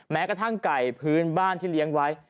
แม้กระทั่งไก่พื้นบ้านที่เลี้ยงไว้